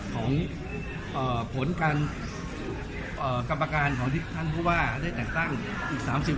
ของเอ่อผลการเอ่อกรรมการของที่ท่านผู้ว่าได้จัดตั้งอีกสามสิบ